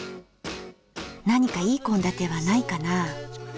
何かいい献立はないかな？